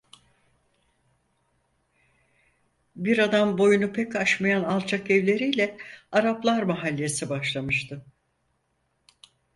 Bir adam boyunu pek aşmayan alçak evleriyle Araplar Mahallesi başlamıştı.